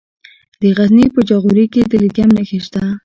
د غزني په جاغوري کې د لیتیم نښې شته.